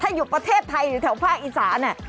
ถ้ายอุปเทศไทยหรือแถวภาคอีสานเนี่ย